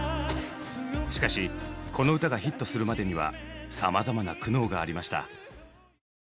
しかしこの歌がヒットするまでにはさまざまな苦悩がありました。